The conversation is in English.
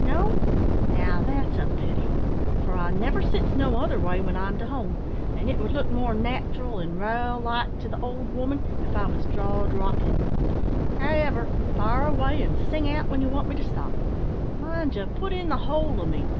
"No! now that's a pity, for I never sits no other way when I'm to home; an' it would look more nat'ral an' raal like to the old 'ooman if I was drawd rockin'. However, fire away, and sing out when ye want me to stop. Mind ye, put in the whole o' me.